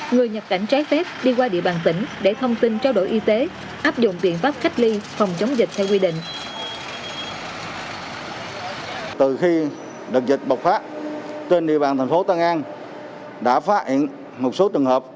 người nhập cảnh trái phép đi qua địa bàn tỉnh để thông tin trao đổi y tế áp dụng biện pháp cách ly phòng chống dịch theo quy định